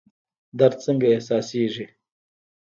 درد څنګه احساسیږي؟